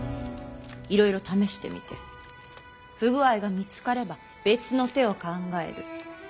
いろいろ試してみて不具合が見つかれば別の手を考える。